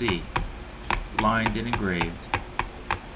Lined and engraved.